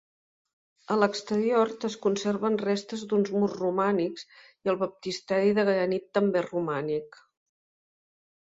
A l'exterior es conserven restes d'uns murs romànics i el baptisteri de granit també romànic.